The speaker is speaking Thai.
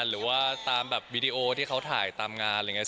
หรือว่าตามแบบวีดีโอที่เขาถ่ายตามงานอะไรอย่างนี้